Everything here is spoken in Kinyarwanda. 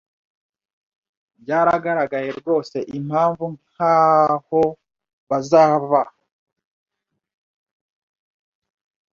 Byaragaragaye rwose Impamvu nkahobazaba